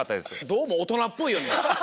どうもおとなっぽいよね。